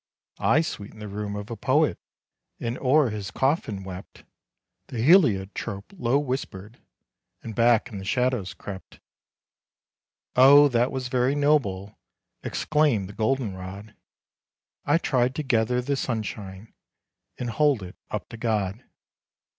"I sweetened the room of a poet, And o'er his coffin wept," The Heliotrope low whispered, And back in the shadows crept. "O, that was very noble," Exclaimed the Golden rod, "I tried to gather the sunshine And hold it up to God.